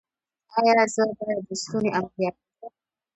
ایا زه باید د ستوني عملیات وکړم؟